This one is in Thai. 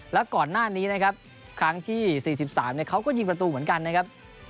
แล้วก่อนหน้านี้นะครับครั้งที่๔๓เขาก็ยิงประตูเหมือนกันนะครับ